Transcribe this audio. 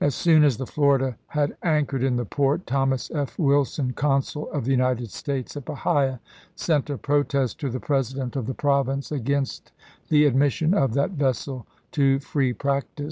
As soon as the Florida had anchored in the port Thomas F. Wilson, Consul of the United States at Bahia, sent a protest to the President of the province THE LAST DAYS OF THE REBEL NAVY 131 against the admission of that vessel to free practice, chap.